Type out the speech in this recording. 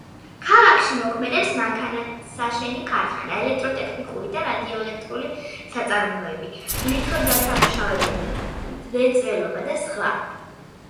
ქალაქში მოქმედებს მანქანათსაშენი ქარხანა, ელექტროტექნიკური და რადიოელექტრონული საწარმოები, ლითონდასამუშავებელი მრეწველობა და სხვა.